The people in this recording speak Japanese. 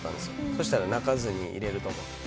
そしたら泣かずにいれると思って。